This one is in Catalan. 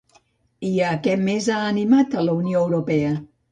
I a què més ha animat a la Unió Europea?